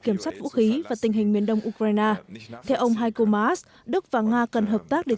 kiểm soát vũ khí và tình hình miền đông ukraine theo ông hiko maas đức và nga cần hợp tác để